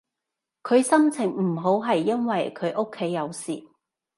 佢心情唔好係因為佢屋企有事